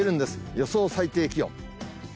予想最低気温。